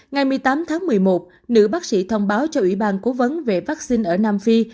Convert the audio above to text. ngày một mươi tám tháng một mươi một nữ bác sĩ thông báo cho ủy ban cố vấn về vaccine ở nam phi